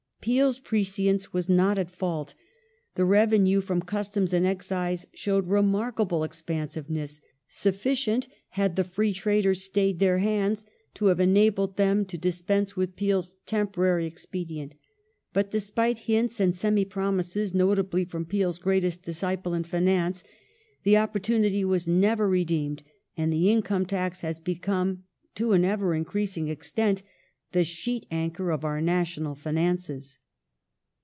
^ Peel's prescience was not at fault. The revenue from customs and excise showed remark able expansiveness, sufficient, had the free traders stayed their hands, to have enabled them to dispense with Peel's "temporary " expedient : but, despite hints and semi promises, notably from PeeFs greatest disciple in finance, the opportunity was never redeemed, and the income tax has become to an ever in creasing extent the sheet anchor of our national finances.